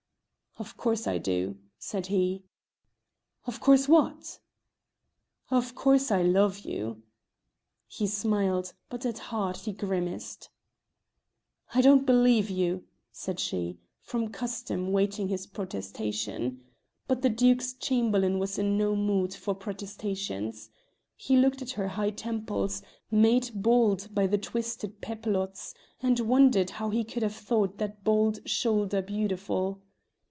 "Of course I do," said he. "Of course what?" "Of course I love you." He smiled, but at heart he grimaced. "I don't believe you," said she, from custom waiting his protestation. But the Duke's Chamberlain was in no mood for protestations. He looked at her high temples, made bald by the twisted papilottes, and wondered how he could have thought that bold shoulder beautiful.